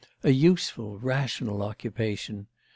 A useful, rational occupation!